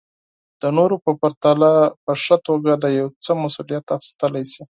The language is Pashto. د نورو په پرتله په ښه توګه د يو څه مسوليت اخيستلی شي.